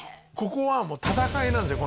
ここはもう戦いなんですよ